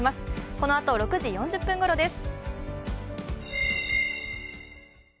このあと６時４０分ごろです。